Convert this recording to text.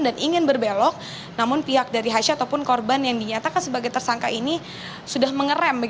dan ingin berbelok namun pihak dari hasyah ataupun korban yang dinyatakan sebagai tersangka ini sudah mengeram